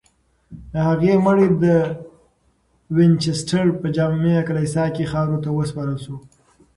د هغې مړی د وینچسټر په جامع کلیسا کې خاورو ته وسپارل شو.